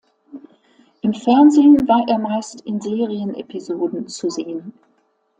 Im Fernsehen war er meist in Serienepisoden zu sehen.